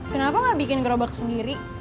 kenapa gak bikin gerobak sendiri